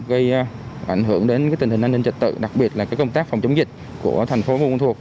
gây ảnh hưởng đến cái tình hình an ninh trật tự đặc biệt là cái công tác phòng chống dịch của thành phố buôn ma thuột